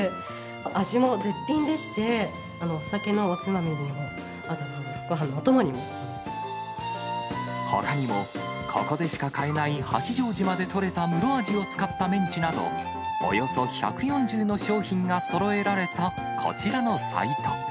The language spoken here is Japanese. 味も絶品でして、お酒のおつまみにも、あとごはんのお供にも。ほかにも、ここでしか買えない八丈島で取れたムロアジを使ったメンチなど、およそ１４０の商品がそろえられたこちらのサイト。